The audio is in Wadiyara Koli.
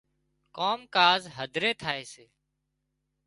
ڪام ڪاز هڌري ٿائي سي